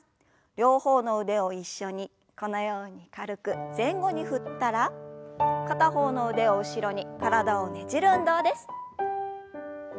両方の腕を一緒にこのように軽く前後に振ったら片方の腕を後ろに体をねじる運動です。